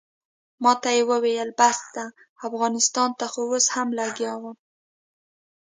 ماته یې وویل بس ده افغانستان ته خو اوس هم لګیا وم.